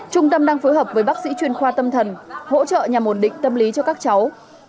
trung tâm đang phối hợp với bác sĩ chuyên khoa tâm thần hỗ trợ nhà ổn định tâm lý cho các cháu